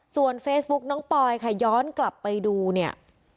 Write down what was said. ส่วนเฟซบุ๊กน้องปอยค่ะย้อนกลับไปดูเนี่ย